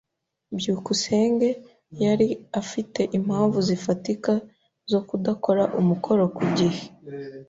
byukusenge yari afite impamvu zifatika zo kudakora umukoro ku gihe.